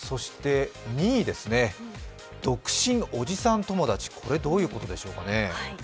２位、独身おじさん友達、これはどういうことでしょうかね。